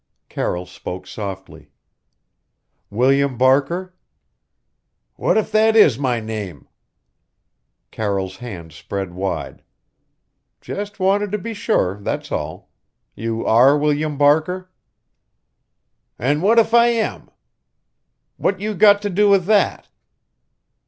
Carroll spoke softly. "William Barker?" "What if that is my name?" Carroll's hands spread wide. "Just wanted to be sure, that's all. You are William Barker?" "An' what if I am? What you got to do with that?"